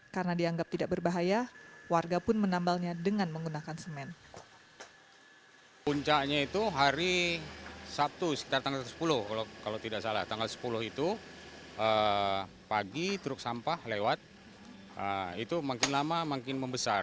karena dianggap tidak berbahaya warga pun menambalnya dengan menggunakan semen